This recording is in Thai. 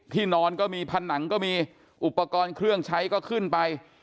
นอนก็มีผนังก็มีอุปกรณ์เครื่องใช้ก็ขึ้นไป